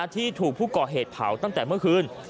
ที่ถูกผู้ก่อเหตุเผาตั้งแต่เมื่อคืน